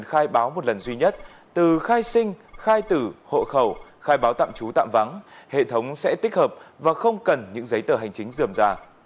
khai báo một lần duy nhất từ khai sinh khai tử hộ khẩu khai báo tạm trú tạm vắng hệ thống sẽ tích hợp và không cần những giấy tờ hành chính dườm ra